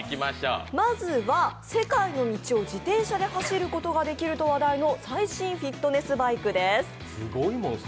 まずは世界の道を自転車で走ることができると話題の最新フィットネスバイクです。